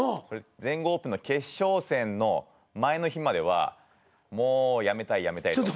全豪オープンの決勝戦の前の日まではもうやめたいやめたいと。